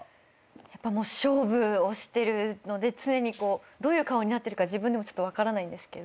やっぱもう勝負をしてるので常にどういう顔になってるか自分でも分からないんですけど。